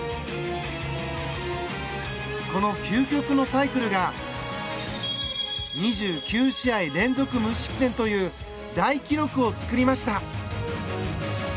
この究極のサイクルが２９試合連続無失点という大記録を作りました。